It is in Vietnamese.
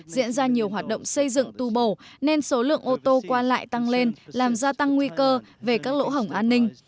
diễn ra nhiều hoạt động xây dựng tu bổ nên số lượng ô tô qua lại tăng lên làm gia tăng nguy cơ về các lỗ hổng an ninh